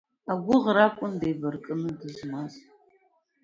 Агәыӷра акәын деибаркны дызмаз.